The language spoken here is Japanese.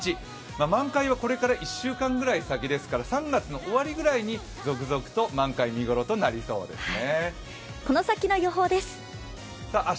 満開はこれから１週間くらい先ですから３月の終わりくらいに続々と満開、見頃となりそうですね